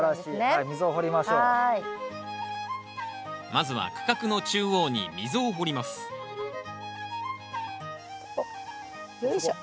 まずは区画の中央に溝を掘りますよいしょ。